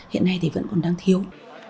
hiện nay thì vẫn còn đang thiếu